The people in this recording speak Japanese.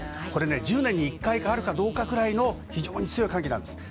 １０年に１回あるかどうかくらいの非常に強い寒気です。